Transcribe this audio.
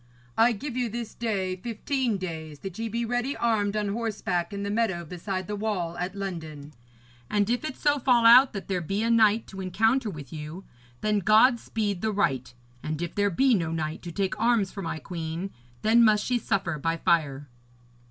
I give you this day fifteen days, that ye be ready armed on horseback in the meadow beside the wall at London; and if it so fall out that there be a knight to encounter with you, then God speed the right; and if there be no knight to take arms for my queen, then must she suffer by fire.'